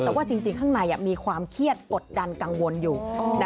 แต่ว่าจริงข้างในมีความเครียดกดดันกังวลอยู่